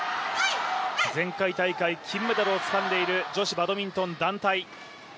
前回大会、金メダルをつかんでいる女子バドミントン団体。